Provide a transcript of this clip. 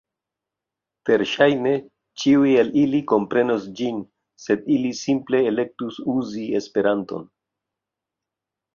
Verŝajne, ĉiuj el ili komprenos ĝin, sed ili simple elektus uzi Esperanton.